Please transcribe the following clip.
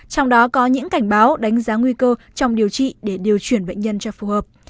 trong đó có những cảnh báo đánh giá nguy cơ trong điều trị để điều chuyển bệnh nhân cho phù hợp